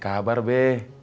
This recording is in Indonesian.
gak kabar be